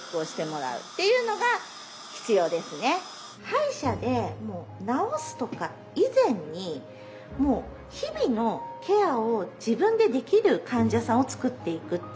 歯医者で治すとか以前にもう日々のケアを自分でできる患者さんを作っていくっていうのが私の目標です。